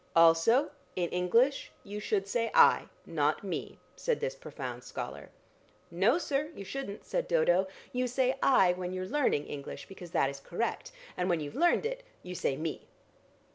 "Also, in English you should say 'I' not 'me,'" said this profound scholar. "No, sir, you shouldn't," said Dodo. "You say 'I' when you're learning English, because that is correct, and when you've learned it you say 'me.'"